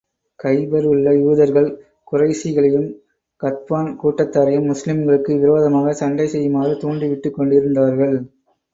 கைபரிலுள்ள யூதர்கள் குறைஷிகளையும், கத்பான் கூட்டத்தாரையும், முஸ்லிம்களுக்கு விரோதமாகச் சண்டை செய்யுமாறு தூண்டி விட்டுக் கொண்டிருந்தார்கள்.